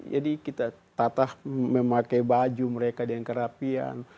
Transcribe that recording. jadi kita tatah memakai baju mereka dengan kerapian